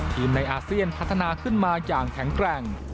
ในอาเซียนพัฒนาขึ้นมาอย่างแข็งแกร่ง